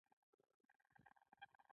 ور نه مې پوښتنه وکړه: کاکا!